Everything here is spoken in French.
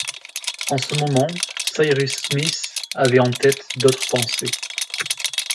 En ce moment, Cyrus Smith avait en tête d’autres pensées